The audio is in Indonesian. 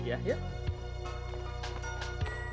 terima kasih ya pak